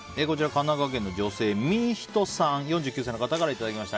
神奈川県の女性、４９歳の方からいただきました。